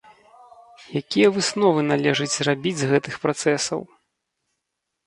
Якія высновы належыць зрабіць з гэтых працэсаў?